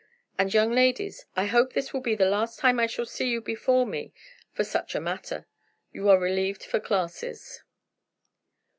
And, young ladies, I hope this will be the last time I shall see you before me for such a matter. You are relieved for classes."